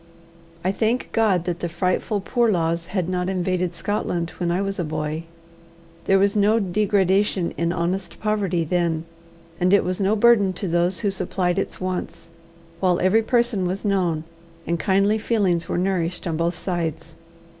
I thank God that the frightful poor laws had not invaded Scotland when I was a boy. There was no degradation in honest poverty then, and it was no burden to those who supplied its wants; while every person was known, and kindly feelings were nourished on both sides.